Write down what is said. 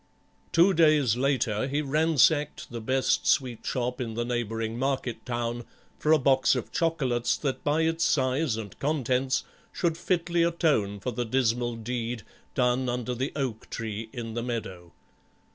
Two days later he ransacked the best sweet shop in the neighbouring market town for a box of chocolates that by its size and contents should fitly atone for the dismal deed done under the oak tree in the meadow.